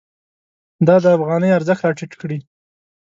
دا د افغانۍ ارزښت راټیټ کړی.